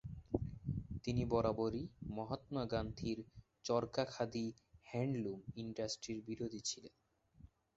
তিনি বরাবরই মহাত্মা গান্ধীর চরকা-খাদি-হ্যান্ডলুম ইন্ডাস্ট্রির বিরোধী ছিলেন।